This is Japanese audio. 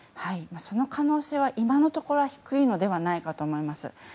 その可能性は今のところは低いのではないかと思います。